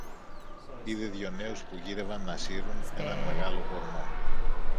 είδε δύο νέους που γύρευαν να σύρουν ένα μεγάλον κορμό